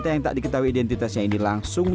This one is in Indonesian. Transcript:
teranggfa dan beragam sementara hampir delapan tahun lagi